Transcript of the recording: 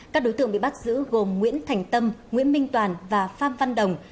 các đối tượng bị bắt giữ gồm nguyễn thành tâm nguyễn minh toàn và phan văn đồng